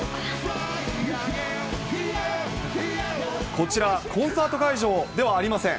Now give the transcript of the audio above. こちら、コンサート会場ではありません。